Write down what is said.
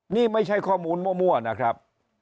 นี่ไม่ใช่ข้อมูลมั่วนะครับ